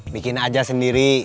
bikin aja sendiri